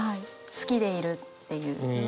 好きでいるっていう。